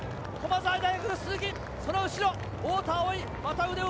駒澤大学・鈴木、その後ろ太田蒼生。